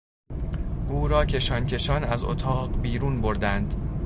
او را کشان کشان از اتاق بیرون بردند.